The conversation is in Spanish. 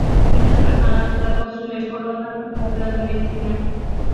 Muchas personas la consumen por lo tanto como planta medicinal.